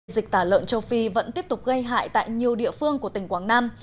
dịch tả lợn châu phi vẫn tiếp tục gây hại tại nhiều địa phương của tỉnh quảng nam